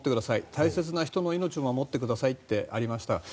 大切な人の命を守ってくださいとありました。